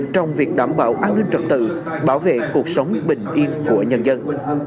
trong việc đảm bảo an ninh trật tự bảo vệ cuộc sống bình yên của nhân dân